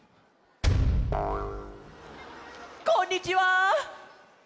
こんにちは！